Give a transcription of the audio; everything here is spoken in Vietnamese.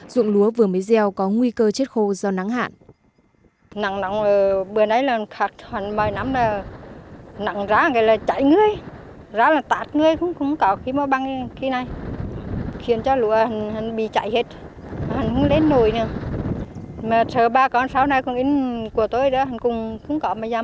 dụng lúa vừa mới gieo có nguy cơ chết khô do nắng hạn